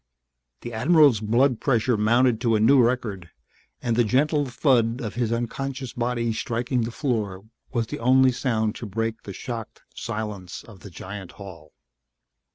The admiral's blood pressure mounted to a new record and the gentle thud of his unconscious body striking the floor was the only sound to break the shocked silence of the giant hall.